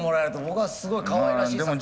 僕はすごいかわいらしい作品。